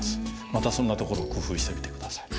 またそんなところを工夫してみて下さい。